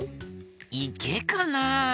いけかな？